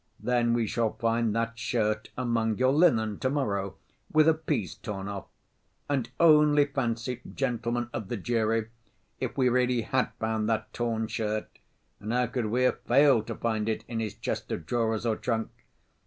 'Then we shall find that shirt among your linen to‐morrow, with a piece torn off.' And only fancy, gentlemen of the jury, if we really had found that torn shirt (and how could we have failed to find it in his chest of drawers or trunk?)